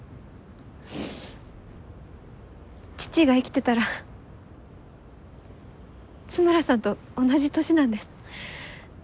父が生きてたら津村さんと同じ年なんです。